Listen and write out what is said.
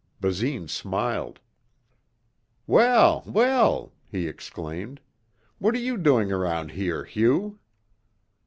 Basine smiled. "Well, well," he exclaimed. "What are you doing around here, Hugh?"